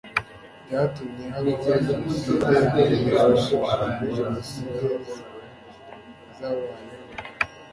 byatumye habaho Jenoside Hifashishijwe jenosides zabayeho